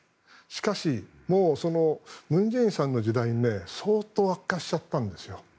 しかし、もう文在寅さんの時代に相当、悪化しちゃったんですよ。